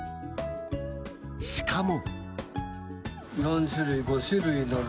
しかも。